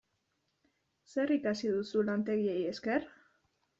Zer ikasi duzu lantegiei esker?